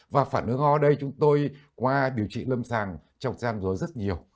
và phản ứng ho đây chúng tôi qua điều trị lâm sàng trong giang rối rất nhiều